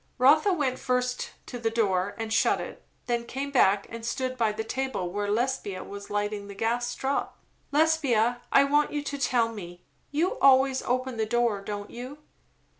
Rotha went first to the door and shut it. Then came back and stood by the table where Lesbia was lighting the gas drop. "Lesbia, I want you to tell me You always open the door, don't you?"